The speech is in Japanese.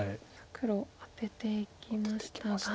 黒アテていきましたが。